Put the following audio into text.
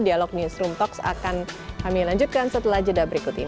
dialog newsroom talks akan kami lanjutkan setelah jeda berikut ini